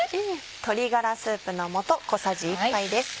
鶏ガラスープの素小さじ１杯です。